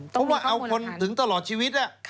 เพราะว่าเอาคนถึงตลอดชีวิต